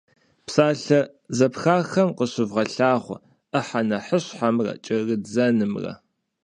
Псалъэ зэпхахэм къыщывгъэлъагъуэ ӏыхьэ нэхъыщхьэмрэ кӏэрыдзэнымрэ.